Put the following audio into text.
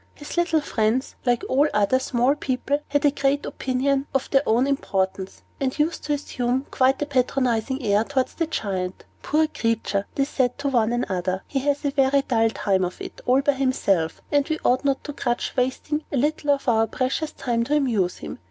His little friends, like all other small people, had a great opinion of their own importance, and used to assume quite a patronizing air towards the Giant. "Poor creature!" they said one to another. "He has a very dull time of it, all by himself; and we ought not to grudge wasting a little of our precious time to amuse him.